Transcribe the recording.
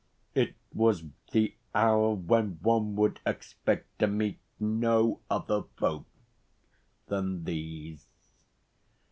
It was the hour when one would expect to meet no other folk than these.